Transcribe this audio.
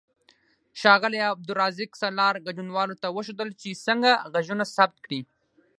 ښاغلي عبدالرزاق سالار ګډونوالو ته وښودل چې څنګه غږونه ثبت کړي.